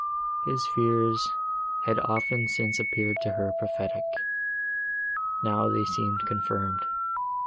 His fears had often since appeared to her prophetic—now they seemed confirmed.